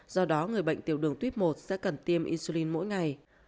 do đó người bệnh tiểu đường tiếp một sẽ cần tiêm insulin mỗi ngày